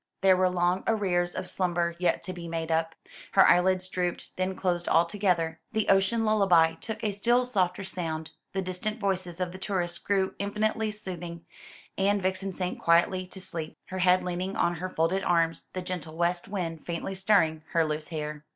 There were long arrears of slumber yet to be made up. Her eyelids drooped, then closed altogether, the ocean lullaby took a still softer sound, the distant voices of the tourists grew infinitely soothing, and Vixen sank quietly to sleep, her head leaning on her folded arms, the gentle west wind faintly stirring her loose hair.